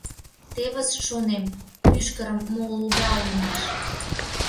Тевыс, шонем, мӱшкырым мо луга улмаш!